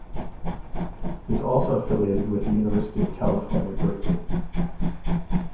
He is also affiliated with the University of California, Berkeley.